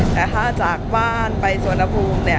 แต่ถ้าจากบ้านไปสวนภูมิ